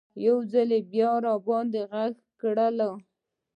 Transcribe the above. یو ځل بیا یې راباندې غږ کړل.